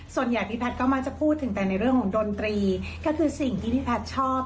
พี่แพทย์ก็มักจะพูดถึงแต่ในเรื่องของดนตรีก็คือสิ่งที่พี่แพทย์ชอบ